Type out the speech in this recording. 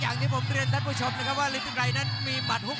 ว่าระดับของทุกคนนะครับการมีมัดหุ้ก